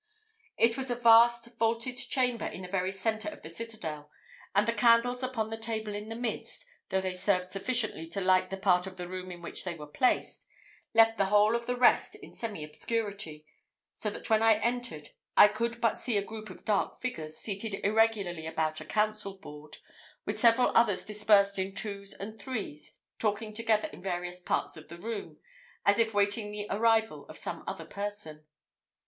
It was a vast vaulted chamber in the very centre of the citadel; and the candles upon the table in the midst, though they served sufficiently to light the part of the room in which they were placed, left the whole of the rest in semi obscurity; so that when I entered I could but see a group of dark figures, seated irregularly about a council board, with several others dispersed in twos and threes, talking together in various parts of the room, as if waiting the arrival of some other person.